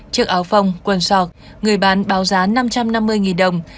chiếc áo phông quần sọc người bán báo giá năm trăm năm mươi đồng